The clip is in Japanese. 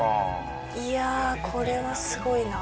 いやこれはすごいな。